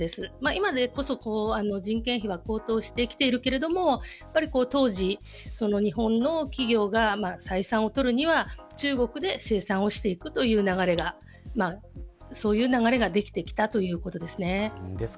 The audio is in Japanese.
今でこそ人件費は高騰してきているけれども当時、日本の企業が採算を取るには中国で生産をしていくという流れができてきたということです。